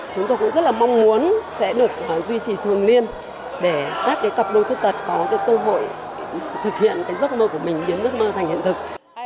chúng tôi cũng rất là mong muốn sẽ được duy trì thường liên để các cặp đôi khuyết tật có cái cơ hội thực hiện cái giấc mơ của mình biến giấc mơ thành hiện thực